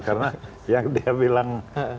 karena yang dia bilang